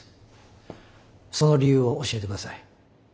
その理由を教えてください。